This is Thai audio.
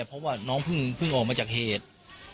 เพราะว่าน้องเพิ่งออกมาจากเหตุ